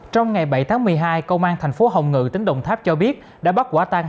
trong ngày bảy tháng một mươi hai công an tp hồng ngự tính đồng tháp cho biết đã bắt quả tan